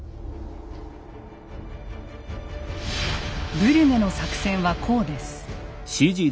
ブリュネの作戦はこうです。